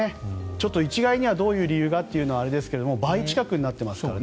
一概にはどういう理由がというのはあれですが倍近くになっていますからね